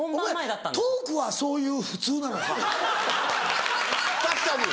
お前トークはそういう普通なのか？